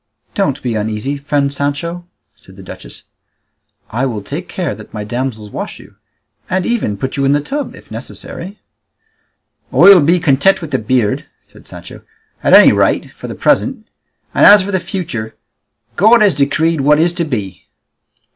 "Don't be uneasy, friend Sancho," said the duchess; "I will take care that my damsels wash you, and even put you in the tub if necessary." "I'll be content with the beard," said Sancho, "at any rate for the present; and as for the future, God has decreed what is to be."